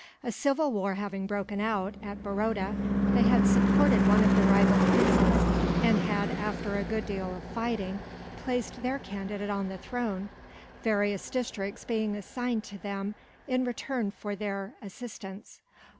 A civil war having broken out, at Baroda, they had supported one of the rival princes; and had, after a good deal of fighting, placed their candidate on the throne various districts being assigned to them, in return for their assistance.